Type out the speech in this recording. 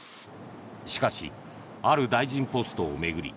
しかし、ある大臣ポストを巡り